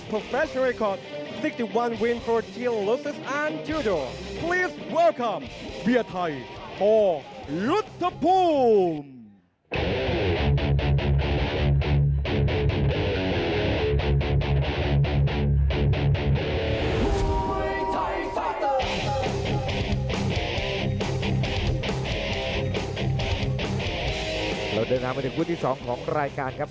เราเดินทางมาถึงคู่ที่๒ของรายการครับ